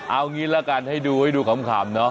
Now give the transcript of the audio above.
เอางี้ละกันให้ดูให้ดูขำเนาะ